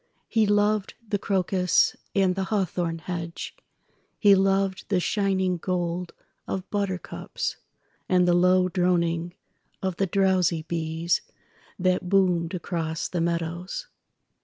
He loved the crocus and the hawthorn hedge, He loved the shining gold of buttercups, And the low droning of the drowsy beesThat boomed across the meadows.